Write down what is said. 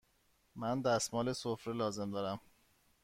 من دستمال سفره لازم دارم.